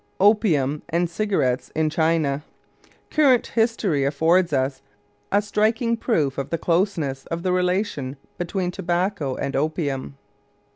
OPIUM AND CIGARETTES IN CHINA Current history affords us a striking proof of the closeness of the relation between tobacco and opium.